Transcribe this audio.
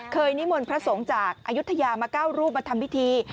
นิมนต์พระสงฆ์จากอายุทยามา๙รูปมาทำพิธี